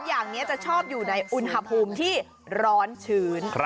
อย่างนี้จะชอบอยู่ในอุณหภูมิที่ร้อนชื้น